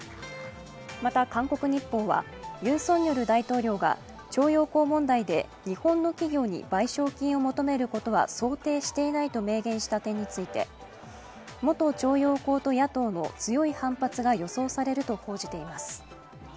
また、「韓国日報」はユン・ソンニョル大統領が徴用工問題で日本の企業に賠償金を求めることは想定していないと明言した点について、元徴用工と野党の強い反発が予想されると報じています